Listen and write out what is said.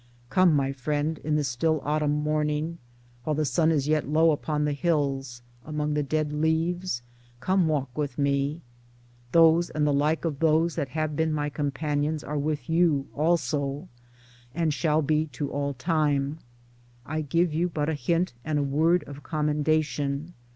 Come, my friend, in the still autumn morning, while the sun is yet low upon the hills, among the dead leaves come walk with me. Those and the like of those that have been my com panions are with You also, and shall be to all time. I give you but a hint and a word of commendation.